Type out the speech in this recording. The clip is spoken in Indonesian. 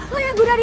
lo yang gue dari